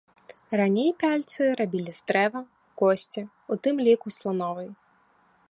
Раней пяльцы рабілі з дрэва, косці, у тым ліку слановай.